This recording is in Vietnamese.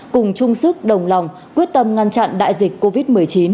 cùng chung sức đồng lòng quyết tâm ngăn chặn đại dịch covid một mươi chín